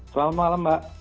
selamat malam mbak